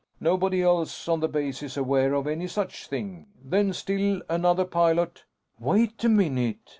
Nobody else on the base is aware of any such thing. Then, still another pilot " "Wait a minute!"